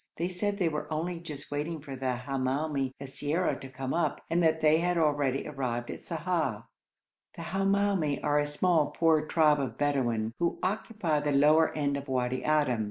They said they were only just waiting for the Hamoumi siyara to come up, and that they had already arrived at Sa'ah. The Hamoumi are a small, poor tribe of Bedouin, who occupy the lower end of Wadi Adim.